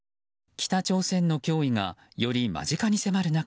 北朝鮮の脅威がより間近に迫る中